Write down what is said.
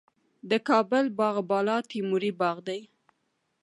د کابل باغ بالا تیموري باغ دی